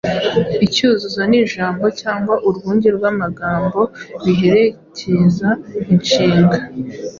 Icyuzuzo ni ijambo cyangwa urwunge rw’amagambo biherekeza inshinga